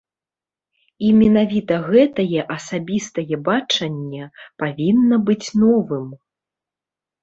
І менавіта гэтае асабістае бачанне павінна быць новым!